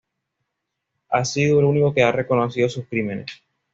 Ha sido el único que ha reconocido sus crímenes.